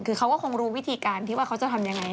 คือเขาก็คงรู้วิธีการที่ว่าเขาจะทำยังไง